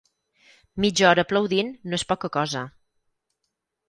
Mitja hora aplaudint no és poca cosa.